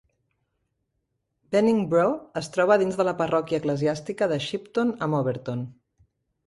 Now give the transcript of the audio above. Beningbrough es troba dins de la parròquia eclesiàstica de Shipton amb Overton.